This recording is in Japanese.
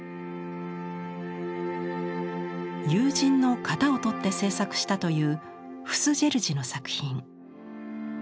友人の型を取って制作したというフス・ジェルジの作品。